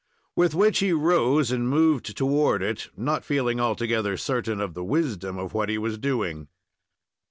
With which he rose and moved toward it, not feeling altogether certain of the wisdom of what he was doing.